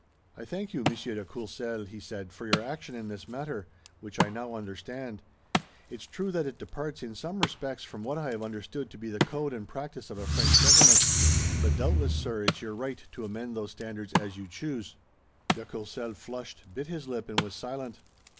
"I thank you, Monsieur de Courcelles," he said, "for your action in this matter, which I now understand. It's true that it departs in some respects from what I have understood to be the code and practice of a French gentleman, but doubtless, sir, it's your right to amend those standards as you choose." De Courcelles flushed, bit his lip and was silent.